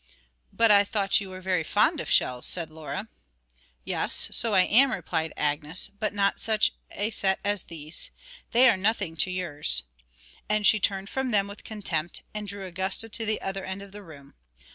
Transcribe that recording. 'But I thought you were very fond of shells,' said Laura. 'Yes, so I am,' replied Agnes; 'but not such a set as these. They are nothing to yours.' And she turned from them with contempt, and drew Augusta to the other end of the room.